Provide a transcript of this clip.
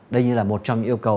đây như là một trong những yêu cầu